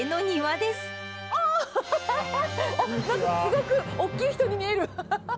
すごく大きい人に見える。